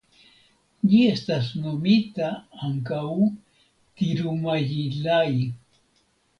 Ĝi estas nomita ankaŭ Tirumajilai.